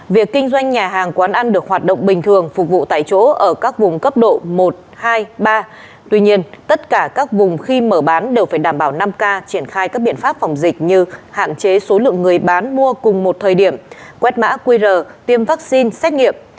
việc kinh doanh nhà hàng quán ăn được hoạt động bình thường phục vụ tại chỗ ở các vùng cấp độ một hai ba tuy nhiên tất cả các vùng khi mở bán đều phải đảm bảo năm k triển khai các biện pháp phòng dịch như hạn chế số lượng người bán mua cùng một thời điểm quét mã qr tiêm vaccine xét nghiệm